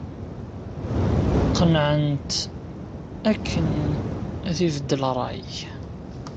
Qennɛen-t akken ad ibeddel rray.